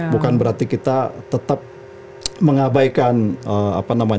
bukan berarti kita tetap mengabaikan transisi